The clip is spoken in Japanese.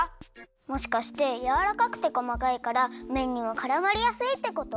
もしかしてやわらかくてこまかいからめんにはからまりやすいってこと？